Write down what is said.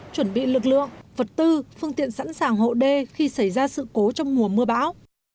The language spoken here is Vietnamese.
chuẩn bị lực lượng vật tư phương tiện sẵn sàng hộ đê khi xảy ra sự cố trong mùa mưa bão